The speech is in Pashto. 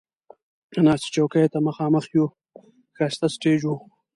د ناستې چوکیو ته مخامخ یو ښایسته سټیج و.